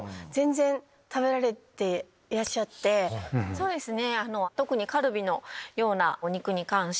そうですね。